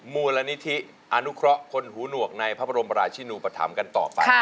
มูลนิธิอนุเคราะห์คนหูหนวกในพระบรมราชินูปธรรมกันต่อไป